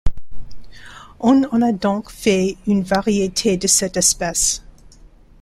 On en a donc fait une variété de cette espèce.